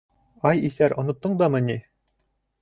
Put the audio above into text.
— Ай иҫәр, оноттоң дамы ни?